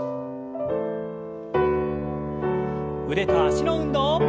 腕と脚の運動。